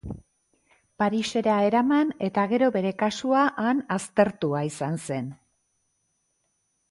Parisera eraman eta gero bere kasua han aztertua izan zen.